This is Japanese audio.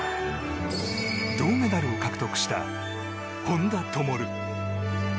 銅メダルを獲得した本多灯。